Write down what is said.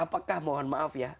apakah mohon maaf ya